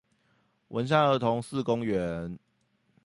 文山兒童四公園